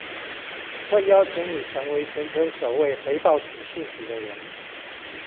會邀請你成為全球首位回報此訊息的人